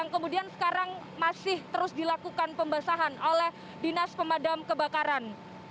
kemudian sekarang masih terus dilakukan pembasahan oleh dinas pemadam kebakaran